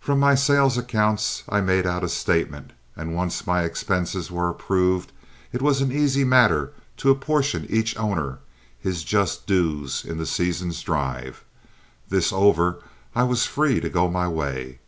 From my sale accounts I made out a statement, and once my expenses were approved it was an easy matter to apportion each owner his just dues in the season's drive. This over I was free to go my way.